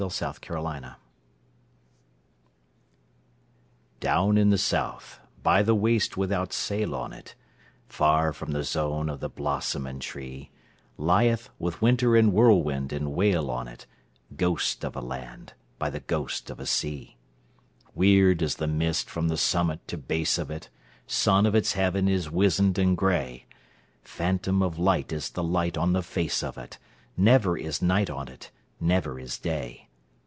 Beyond Kerguelen DOWN in the South, by the waste without sail on it—Far from the zone of the blossom and tree—Lieth, with winter and whirlwind and wail on it, Ghost of a land by the ghost of a sea. Weird is the mist from the summit to base of it; Sun of its heaven is wizened and grey; Phantom of light is the light on the face of it—Never is night on it, never is day!